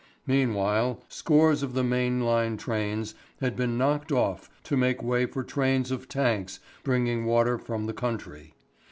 Meanwhile scores of the main line trains had been knocked off to make way for trains of tanks bringing water from the country.